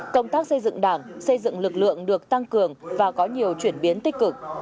công tác xây dựng đảng xây dựng lực lượng được tăng cường và có nhiều chuyển biến tích cực